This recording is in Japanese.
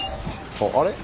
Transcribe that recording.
あれ？